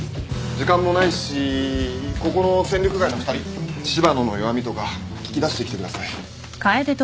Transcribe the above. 時間もないしここの戦力外の２人柴野の弱みとか聞き出してきてください。